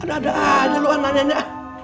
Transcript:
ada ada aja lu anak anaknya